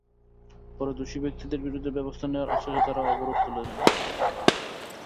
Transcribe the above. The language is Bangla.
পরে দোষী ব্যক্তিদের বিরুদ্ধে ব্যবস্থা নেওয়ার আশ্বাসে তাঁরা অবরোধ তুলে নেন।